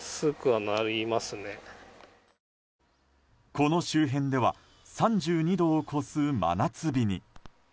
この周辺では３２度を超す真夏日に。